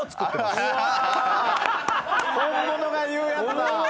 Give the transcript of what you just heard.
本物が言うやつだ。